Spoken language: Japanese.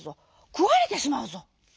くわれてしまうぞ」。